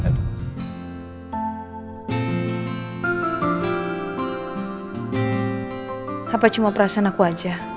apa cuma perasaan aku aja